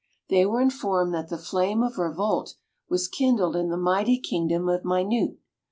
They were informed that the flame of revolt was kindled in the mighty kingdom of Minute.